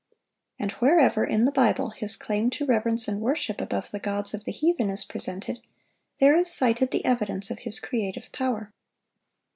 And wherever, in the Bible, His claim to reverence and worship, above the gods of the heathen, is presented, there is cited the evidence of His creative power.